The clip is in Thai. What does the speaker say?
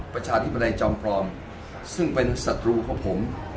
ประชาธิปไตยจอมปลอมซึ่งเป็นศัตรูของผม